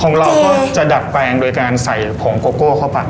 ของเราก็จะดัดแปลงโดยการใส่ผงโกโก้เข้าไป